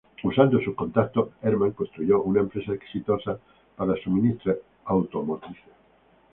Usando sus contactos, Herrmann construyó una empresa exitosa para suministros automotrices.